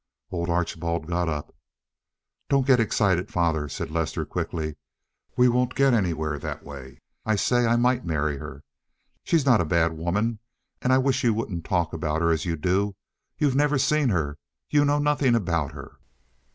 Old Archibald got up. "Don't get excited, father," said Lester quickly. "We won't get anywhere that way. I say I might marry her. She's not a bad woman, and I wish you wouldn't talk about her as you do. You've never seen her. You know nothing about her."